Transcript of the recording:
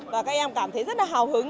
và các em cảm thấy rất là hào hứng